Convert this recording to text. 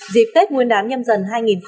dịp tết nguyên đán nhâm dần hai nghìn hai mươi bốn